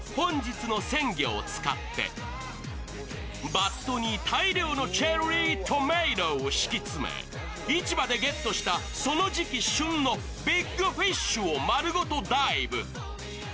バットに大量のチェリートマトを敷き詰め、市場でゲットしたその時期旬のビッグフィッシュを丸ごとダイブ。